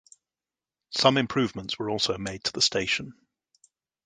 Some improvements were also made to the station.